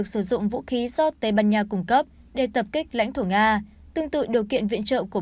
sử dụng vũ khí do tây ban nha cung cấp để tập kích lãnh thổ nga tương tự điều kiện viện trợ của